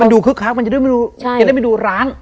ดูคึกคักมันจะได้ไปดูร้าน